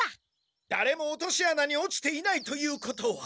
だれも落とし穴に落ちていないということは。